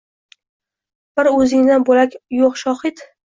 Bir o’zingdan bo’lak yo’q shohid.